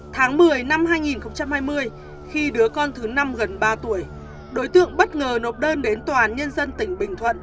tháng một mươi năm hai nghìn hai mươi khi đứa con thứ năm gần ba tuổi đối tượng bất ngờ nộp đơn đến tòa án nhân dân tỉnh bình thuận